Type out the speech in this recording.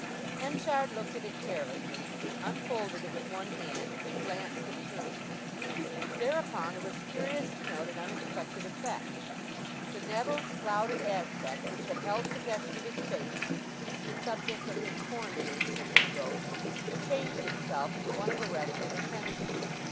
Henchard looked at it carelessly, unfolded it with one hand, and glanced it through. Thereupon it was curious to note an unexpected effect. The nettled, clouded aspect which had held possession of his face since the subject of his corn dealings had been broached, changed itself into one of arrested attention.